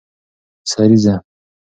سريزه